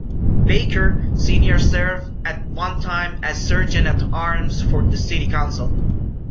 Baker, Senior served at one time as sergeant-at-arms for the city council.